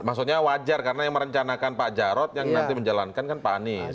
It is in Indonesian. maksudnya wajar karena yang merencanakan pak jarod yang nanti menjalankan kan pak anies